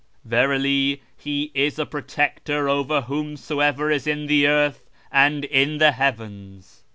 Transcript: Verily He is a Protector over whomsoever is in the earth and in the heavens."